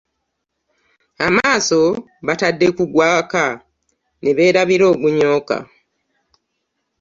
Amaaso batadde ku gwaka, ne beerabira ogunyooka